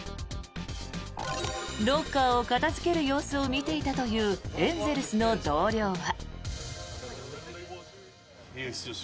ロッカーを片付ける様子を見ていたというエンゼルスの同僚は。